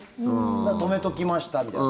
だから止めときましたみたいな。